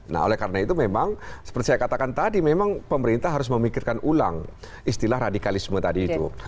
nah oleh karena itu memang seperti saya katakan tadi memang pemerintah harus memikirkan ulang istilah radikalisme tadi itu